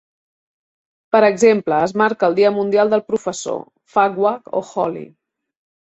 Per exemple, es marca el Dia mundial del professor, Phagwah o Holi.